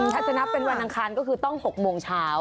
ถ้าจะนับเป็นวันอังคารก็คือต้อง๖โมงเช้า